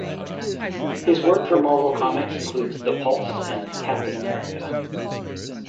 His work for Marvel Comics includes "The Pulse" and "Captain America".